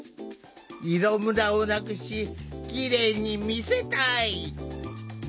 色むらをなくしきれいに見せたい。